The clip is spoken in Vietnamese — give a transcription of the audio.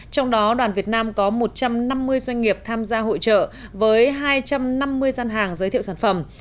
trong đó đoàn việt nam có một trăm năm mươi doanh nghiệp tham gia hội trợ với hai trăm năm mươi gian hàng giới thiệu sản phẩm